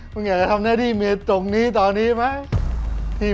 มึงอยากจะทำหน้าที่เมียตรงนี้ตอนนี้ไหม